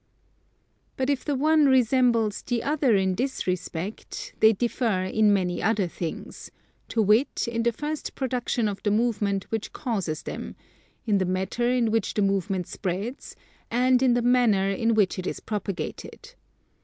But if the one resembles the other in this respect, they differ in many other things; to wit, in the first production of the movement which causes them; in the matter in which the movement spreads; and in the manner in which it is propagated.